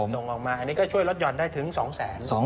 ส่งออกมาอันนี้ก็ช่วยลดหย่อนได้ถึง๒แสน